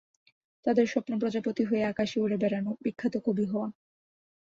তাদের স্বপ্ন প্রজাপতি হয়ে আকাশে উড়ে বেড়ানো, বিখ্যাত কবি হওয়া।